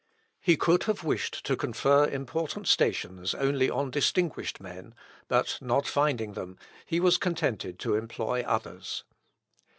He could have wished to confer important stations only on distinguished men, but not finding them, he was contented to employ others.